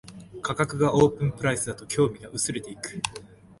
価格がオープンプライスだと興味が薄れていく